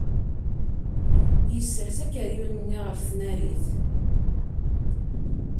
Yessers akeryun-nni ɣef tnarit.